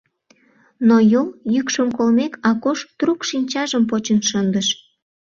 Но йол йӱкшым колмек, Акош трук шинчажым почын шындыш.